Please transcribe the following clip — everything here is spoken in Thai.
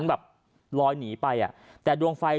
หญิงบอกว่าจะเป็นพี่ปวกหญิงบอกว่าจะเป็นพี่ปวก